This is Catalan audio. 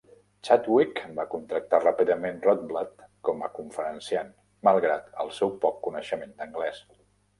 Chadwick va contractar ràpidament Rotblat com a conferenciant, malgrat el seu poc coneixement d'anglès.